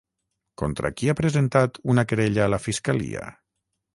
Contra qui ha presentat una querella la fiscalia?